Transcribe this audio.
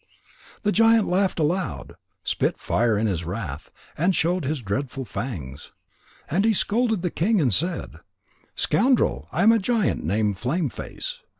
The giant laughed aloud, spit fire in his wrath, and showed his dreadful fangs. And he scolded the king and said: "Scoundrel! I am a giant named Flame face.